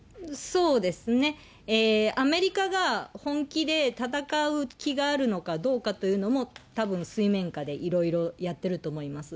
アメリカが本気で戦う気があるのかどうかというのも、たぶん水面下でいろいろやってると思います。